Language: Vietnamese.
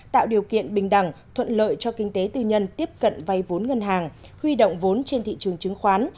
tạo điều kiện bình đẳng thuận lợi cho kinh tế tư nhân tiếp cận vay vốn ngân hàng huy động vốn trên thị trường chứng khoán